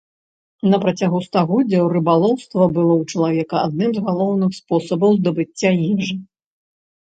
На працягу стагоддзяў рыбалоўства было ў чалавека адным з галоўных спосабаў здабыцця ежы.